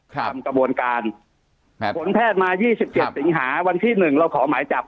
ความกระโบนการผลแพทย์มายี่สิบเจ็ดหวานที่หนึ่งเราขอหมายจับ